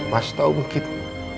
mas tau mungkin